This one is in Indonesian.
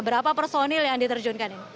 berapa personil yang diterjunkan ini